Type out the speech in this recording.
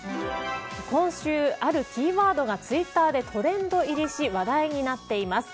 今週、あるキーワードがツイッターでトレンド入りし話題になっています。